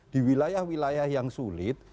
di wilayah wilayah yang sulit